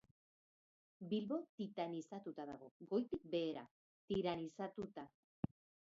Bilbo titanizatuta dago goitik behera, tiranizatuta.